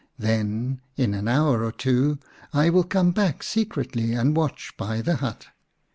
Then in an hour or two I will come back secretly and watch by the hut.